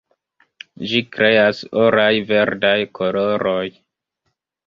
Ĝi kreas oraj-verdaj koloroj.